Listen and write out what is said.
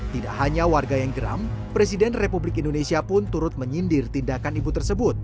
tidak hanya warga yang geram presiden republik indonesia pun turut menyindir tindakan ibu tersebut